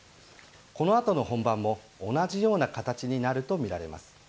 このあとの本番も同じような形になるとみられます。